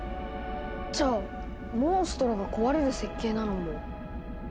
じゃあモンストロが壊れる設計なのも？